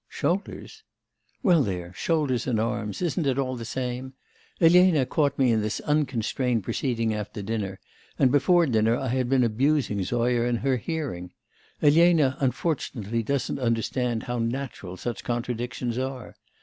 'Shoulders?' 'Well there, shoulders and arms, isn't it all the same? Elena caught me in this unconstrained proceeding after dinner, and before dinner I had been abusing Zoya in her hearing. Elena unfortunately doesn't understand how natural such contradictions are.